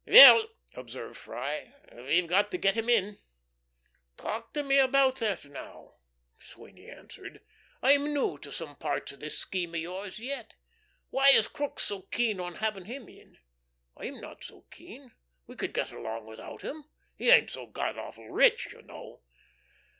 "Well," observed Freye, "we've got to get him in." "Talk to me about that now," Sweeny answered. "I'm new to some parts o' this scheme o' yours yet. Why is Crookes so keen on having him in? I'm not so keen. We could get along without him. He ain't so god awful rich, y' know."